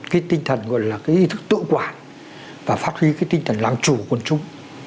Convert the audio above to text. cái tinh thần gọi là cái ý thức tự quản và phát huy cái tinh thần làm chủ quần chúng